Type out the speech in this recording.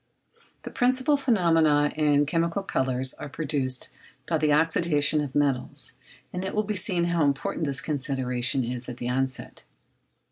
The principal phenomena in chemical colours are produced by the oxydation of metals, and it will be seen how important this consideration is at the outset.